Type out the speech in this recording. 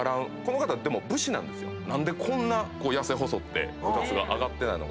何でこんな痩せ細ってうだつが上がってないのか。